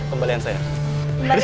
kembalian saya tidak ada